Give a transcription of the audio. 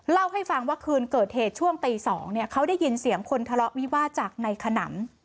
เล่าให้ฟังว่าคืนเกิดเหตุช่วงตี๒เขาได้ยินเสียงคนทะเลาะวิวาสจากในขนำ